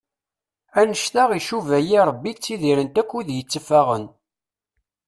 Annect-a icuba-iyi Rebbi ttidiren-t akk wid yetteffaɣen.